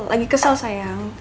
lagi kesel sayang